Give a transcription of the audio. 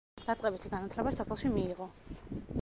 დაწყებითი განათლება სოფელში მიიღო.